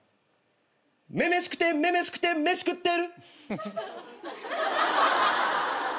「女々しくて女々しくて飯食ってる」